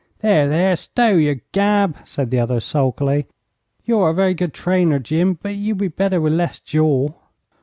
'There, there! Stow your gab!' said the other, sulkily. 'You're a very good trainer, Jim, but you'd be better with less jaw.'